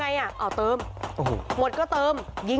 สวัสดีทุกคน